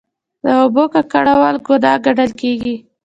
د اوبو ککړول ګناه ګڼل کیږي.